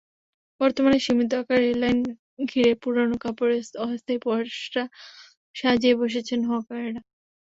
বর্তমানে সীমিত আকারে রেললাইন ঘিরে পুরোনো কাপড়ের অস্থায়ী পসরা সাজিয়ে বসেছেন হকারেরা।